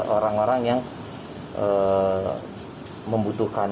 ini adalah barang dagangan yang terdampak ppkm